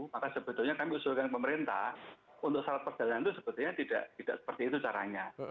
maka sebetulnya kami usulkan pemerintah untuk saat perjalanan itu sebetulnya tidak seperti itu caranya